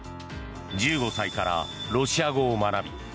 １５歳からロシア語を学び